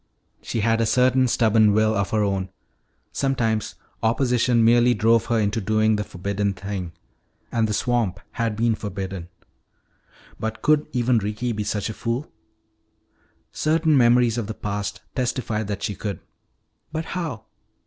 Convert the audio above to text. She had a certain stubborn will of her own. Sometimes opposition merely drove her into doing the forbidden thing. And the swamp had been forbidden. But could even Ricky be such a fool? Certain memories of the past testified that she could. But how?